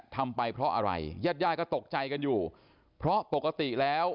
ทำไปเพราะอะไรญาติญาติก็ตกใจกันอยู่เพราะปกติแล้ว